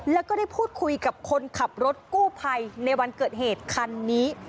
แล้วก็ได้พูดคุยกับคนขับรถกู้ภัยในวันเกิดเหตุคันนี้